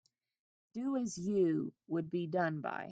Do as you would be done by.